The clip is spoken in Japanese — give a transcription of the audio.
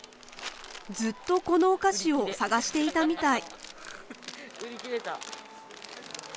ずっとこのお菓子を探していたみたい。